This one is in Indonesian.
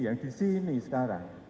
yang di sini sekarang